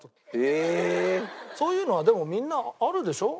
そういうのはでもみんなあるでしょ？